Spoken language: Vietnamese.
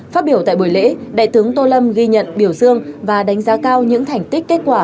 phát biểu tại buổi lễ đại tướng tô lâm ghi nhận biểu dương và đánh giá cao những thành tích kết quả